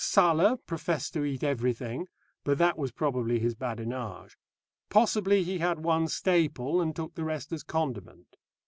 Sala professed to eat everything, but that was probably his badinage. Possibly he had one staple, and took the rest as condiment.